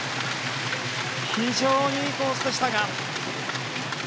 非常にいいコースでしたが。